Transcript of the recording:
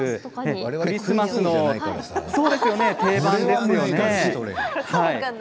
クリスマスの定番ですね。